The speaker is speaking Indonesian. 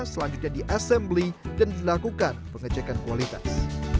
selanjutnya di assembly dan dilakukan pengecekan kualitas